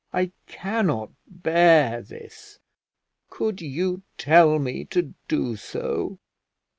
I cannot bear this. Could you tell me to do so?"